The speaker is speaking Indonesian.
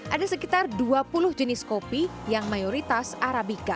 ada sekitar dua puluh jenis kopi yang mayoritas arabica